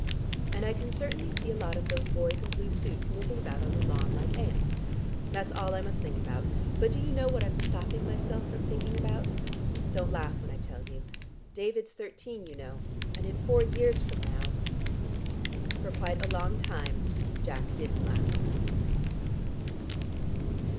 "And I certainly can see a lot of those boys in blue suits, moving about on the lawn like ants. That's all I must think about. But do you know what I'm stopping myself from thinking about? Don't laugh when I tell you. David's thirteen, you know, and in four years from now " For quite a long time Jack didn't laugh....